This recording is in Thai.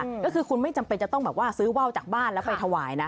ก็คือคุณไม่จำเป็นจะต้องแบบว่าซื้อว่าวจากบ้านแล้วไปถวายนะ